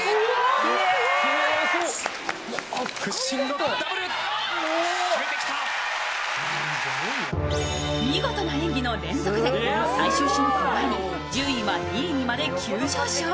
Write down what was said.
ところが見事な演技の連続で、最終種目を前に順位は２位にまで急上昇。